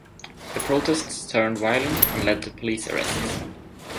The protests turned violent and led to police arrests.